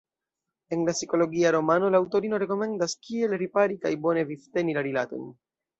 En la psikologia romano la aŭtorino rekomendas kiel ripari kaj bone vivteni la rilatojn.